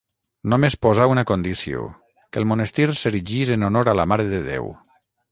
Només posà una condició: que el monestir s'erigís a honor de la mare de Déu.